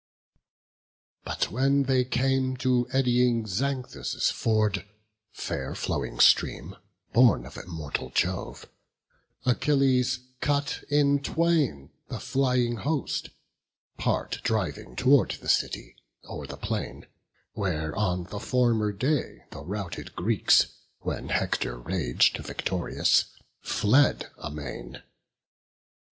BOOK XXI. But when they came to eddying Xanthus' ford, Fair flowing stream, born of immortal Jove, Achilles cut in twain the flying host; Part driving tow'rd the city, o'er the plain, Where on the former day the routed Greeks, When Hector rag'd victorious, fled amain.